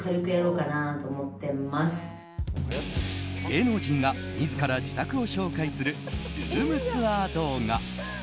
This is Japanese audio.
芸能人自らが自宅を紹介するルームツアー動画。